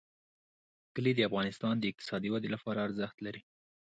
کلي د افغانستان د اقتصادي ودې لپاره ارزښت لري.